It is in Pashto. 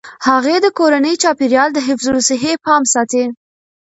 هغې د کورني چاپیریال د حفظ الصحې پام ساتي.